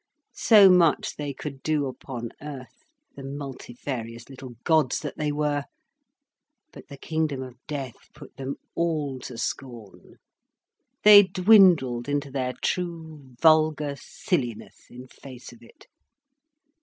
So much they could do upon earth, the multifarious little gods that they were. But the kingdom of death put them all to scorn, they dwindled into their true vulgar silliness in face of it.